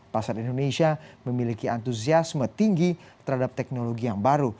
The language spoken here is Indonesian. pasar indonesia memiliki antusiasme tinggi terhadap teknologi yang baru